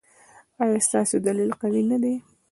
ایا ستاسو دلیل قوي نه دی؟